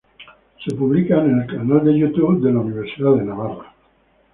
Son publicados en el canal de YouTube de la Universidad de Navarra.